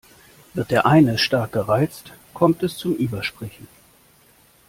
Wird der eine stark gereizt, kommt es zum Übersprechen.